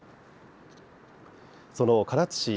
その唐津市